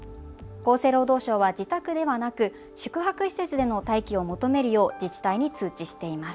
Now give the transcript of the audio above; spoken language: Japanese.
厚生労働省は自宅ではなく宿泊施設での待機を求めるよう自治体に通知しています。